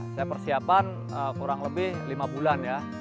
saya persiapan kurang lebih lima bulan ya